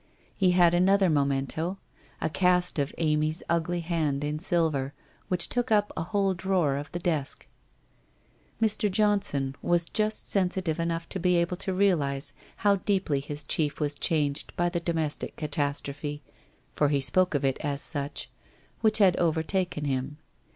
He had another memento, a cast of Amy's ugly hand in silver, which took up a whole drawer of the desk. Mr. Johnson was just sensitive enough to be able to realize how deeply his chief was changed by the domestic catastrophe — for he spoke of it as such — which had over taken him.